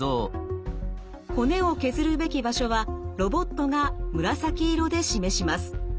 骨を削るべき場所はロボットが紫色で示します。